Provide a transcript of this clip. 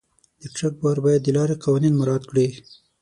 د ټرک بار باید د لارې قوانین مراعت کړي.